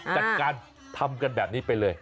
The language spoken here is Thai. จัดการทำกันแบบนี้ไปเลย